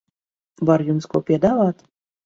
Varu jums ko piedāvāt?